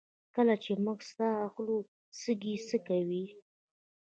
کله چې موږ ساه اخلو سږي څه کوي